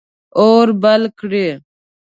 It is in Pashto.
اور بل کړئ